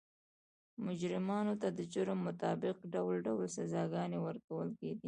مجرمانو ته د جرم مطابق ډول ډول سزاګانې ورکول کېدې.